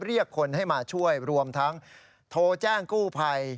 เรียกคนให้มาช่วยรวมทั้งโทรแจ้งกู้ภัย